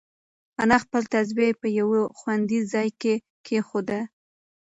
انا خپل تسبیح په یو خوندي ځای کې کېښوده.